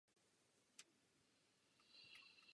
Zvu vás k účasti na nich.